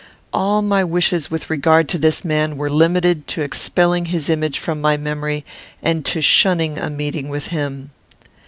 All my wishes with regard to this man were limited to expelling his image from my memory, and to shunning a meeting with him.